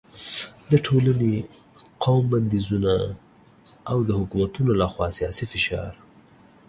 د ټولنې، قوم بندیزونه او د حکومتونو له خوا سیاسي فشار